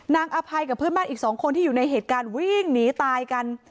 อภัยกับเพื่อนบ้านอีกสองคนที่อยู่ในเหตุการณ์วิ่งหนีตายกัน